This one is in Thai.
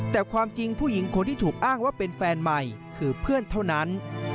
แต่ความจริงผู้หญิงคนที่ถูกอ้างว่าเป็นแฟนใหม่คือเพื่อนเท่านั้น